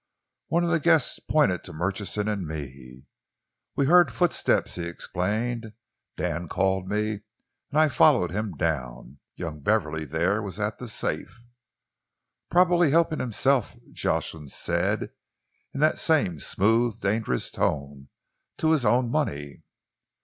"One of the guests pointed to Murchison and me. "'We heard footsteps,' he explained. 'Dan called me and I followed him down. Young Beverley there was at the safe.' "'Probably helping himself,' Jocelyn said, in that same smooth, dangerous tone, 'to his own money.'